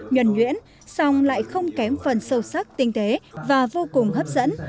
nhuẩn nhuyễn song lại không kém phần sâu sắc tinh tế và vô cùng hấp dẫn